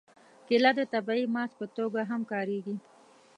کېله د طبیعي ماسک په توګه هم کارېږي.